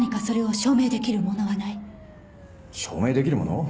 証明できるもの？